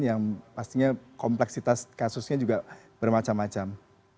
yang pastinya kompleksitas kasusnya juga bermacam macam